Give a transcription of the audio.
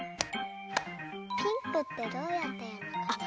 ピンクってどうやっていうのかな？